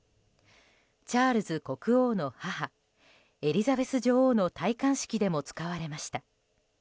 チャールズ国王の母エリザベス女王の戴冠式でも使われました。